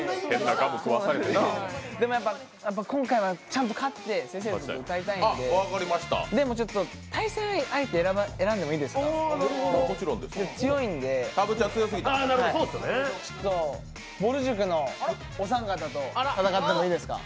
でも、今回はちゃんと勝って正々堂々、歌いたいんで、でもちょっと対戦相手選んでもいいですか？強いんで、ぼる塾のお三方と戦ってもいいですか？